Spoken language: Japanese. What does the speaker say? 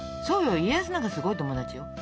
家康なんかすごい友達よ。